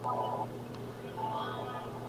د باران اوبه باید ذخیره کړو.